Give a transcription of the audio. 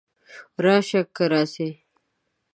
راشه! که راځې!